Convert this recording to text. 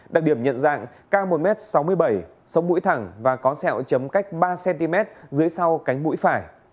đặc điểm nhận dạng cao một m sáu mươi bảy sống mũi thẳng và có sẹo chấm cách ba cm dưới sau cánh mũi phải